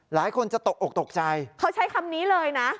หลายคนจะตกอกตกใจเขาใช้คำนี้เลยนะ